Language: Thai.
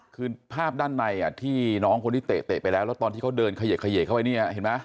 คือภาพด้านในที่น้องคนที่เตะไปแล้วแล้วตอนที่เขาเดินเขยกเข้าไปเนี่ยเห็นไหม